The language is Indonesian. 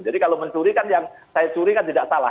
jadi kalau mencurikan yang saya curi tidak salah